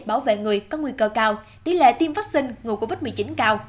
để bảo vệ người có nguy cơ cao tỷ lệ tiêm vắc xin ngụ covid một mươi chín cao